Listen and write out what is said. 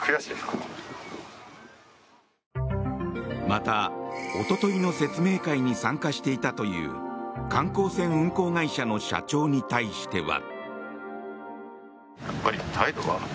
また、おとといの説明会に参加していたという観光船運航会社の社長に対しては。